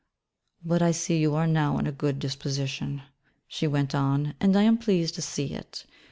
'But I see you are now in a good disposition,' she went on, 'and I am pleased to see it.